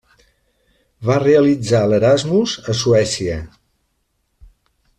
Va realitzar l'Erasmus a Suècia.